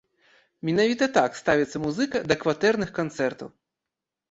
Менавіта так ставіцца музыка да кватэрных канцэртаў.